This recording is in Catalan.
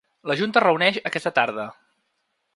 La junta es reuneix aquesta tarda.